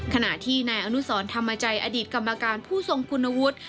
ขณะที่นายอนุสรธรรมจัยอดีตกรรมการผู้ทรงคุณวุฒิ